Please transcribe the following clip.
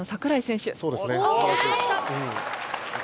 すばらしい。